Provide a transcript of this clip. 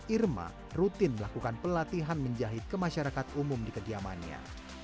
irma rutin melakukan pelatihan menjahit ke masyarakat umumnya